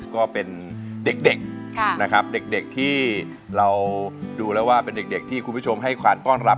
ก็เป็นเด็กนะครับเด็กที่เราดูแล้วว่าเป็นเด็กที่คุณผู้ชมให้ขวานต้อนรับ